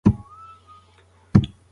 ایا د عینومېنې په سړک کې بیروبار و؟